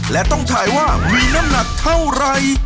และต้องถ่ายว่ามีน้ำหนักเท่าไร